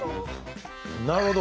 なるほど。